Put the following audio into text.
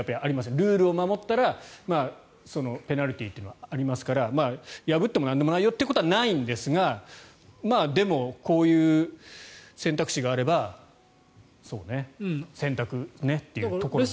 ルールを破ったらペナルティーというのはありますが破ってもなんでもないよということはないんですがでも、こういう選択肢があれば選択ねというところも。